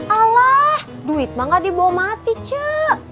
alah duit mah gak dibawa mati cek